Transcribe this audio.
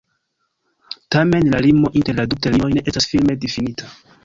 Tamen la limo inter la du terminoj ne estas firme difinita.